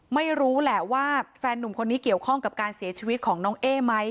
ไม่รู้แหละว่าแฟนนุ่มคนนี้เกี่ยวข้องกับการเสียชีวิตของน้องเอ๊ไหม